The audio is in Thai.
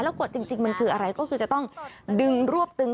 กฎจริงมันคืออะไรก็คือจะต้องดึงรวบตึง